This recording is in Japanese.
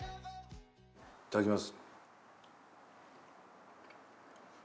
いただきます。